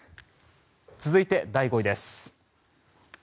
続いて、第５位です。